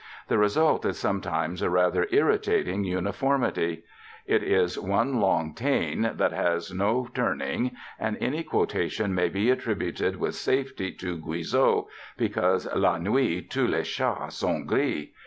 The result is sometimes a rather irritating uniformity; it is one long Taine that has no turning, and any quotation may be attributed with safety to Guizot, because la nuit tous les chats sont gris.